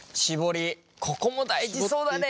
ここも大事そうだね！